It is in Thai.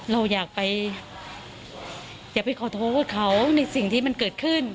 เราอยากไปอยากไปขอโทษเขาในสิ่งที่มันเกิดขึ้น